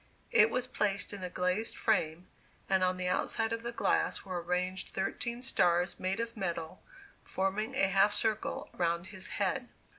It was placed in a glazed frame, and on the outside of the glass were arranged thirteen stars made of metal, forming a half circle round his head.